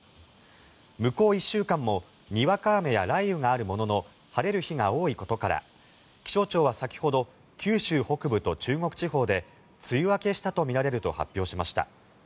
向こう１週間もにわか雨や雷雨があるものの晴れる日が多いことから気象庁は先ほど九州北部と中国地方で梅雨明けしたとみられると発表しました。